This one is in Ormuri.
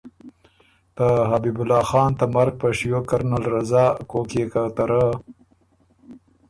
ته حبیب الله حان ته مرګ په شیو کرنل رضا کوک يې که ته رۀ